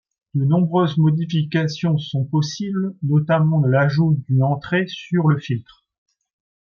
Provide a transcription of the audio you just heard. De nombreuses modifications sont possibles, notamment l'ajout d'une entrée sur le filtre.